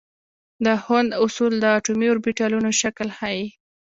د هوند اصول د اټومي اوربیتالونو شکل ښيي.